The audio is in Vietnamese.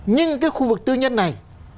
nhưng cái khu vực tư nhân này